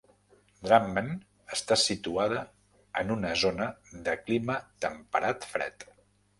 Drammen està situada en una zona de clima temperat-fred.